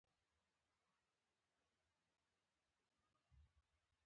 طوبا ندا ساپۍ د په سترګو کې لیکل شوې افسانه کتاب لیکلی